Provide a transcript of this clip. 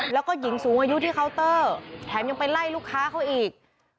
แล้วก็หญิงสูงอายุที่เคาน์เตอร์แถมยังไปไล่ลูกค้าเขาอีก